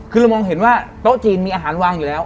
คือเรามองเห็นว่าโต๊ะจีนมีอาหารวางอยู่แล้ว